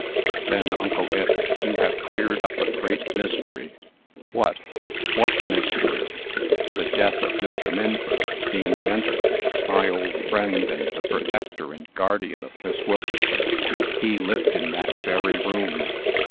"Then, Uncle Ith, you have cleared up a great mystery." "What! What mystery?" "The death of Mr. Minford, the inventor, my old friend, and the protector and guardian of Miss Wilkeson. He lived in that very room!